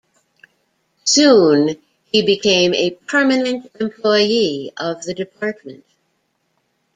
Soon, he became a permanent employee of the department.